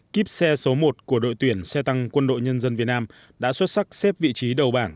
kíp xe số một của đội tuyển xe tăng quân đội nhân dân việt nam đã xuất sắc xếp vị trí đầu bảng